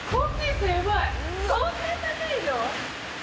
こんなに高いの？